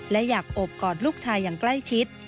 และอยากโอบกอดลูกชายอย่างใกล้ชิด